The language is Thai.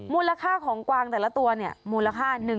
มูลค่าของกวางแต่ละตัวมูลค่า๑๕๐๐๐๒๐๐๐๐บาทเลยนะ